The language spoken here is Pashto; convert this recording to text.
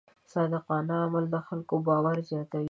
صادقانه عمل د خلکو باور زیاتوي.